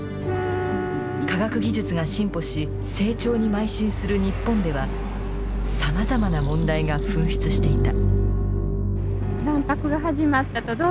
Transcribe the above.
科学技術が進歩し成長にまい進する日本ではさまざまな問題が噴出していた。